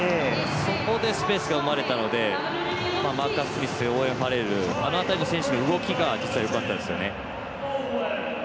そこでスペースが生まれたのでマーカス・スミスオーウェン・ファレルあの辺りの選手の動きが実際、よかったですよね。